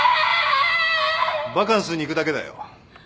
バカンスに行くだけだよ。